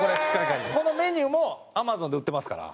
このメニューもＡｍａｚｏｎで売ってますから。